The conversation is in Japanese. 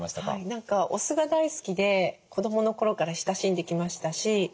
何かお酢が大好きで子どもの頃から親しんできましたし